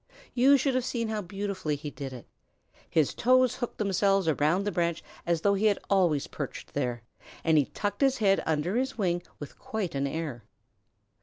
You should have seen how beautifully he did it. His toes hooked themselves around the branch as though he had always perched there, and he tucked his head under his wing with quite an air.